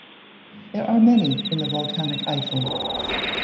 There are many in the Volcanic Eifel.